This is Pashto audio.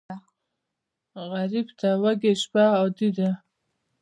غریب ته وږې شپه عادي ده